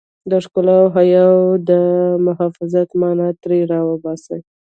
د ښکلا او حيا د محافظت مانا ترې را وباسي.